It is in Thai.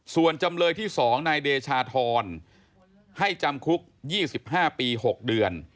ส่วนจำเลยที่๒นายเดชาธรให้จำคุก๒๕ปี๖เดือน